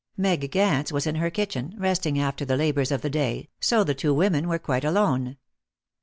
Meg Gance was in her kitchen, resting after the labours of the day, so the two women were quite alone.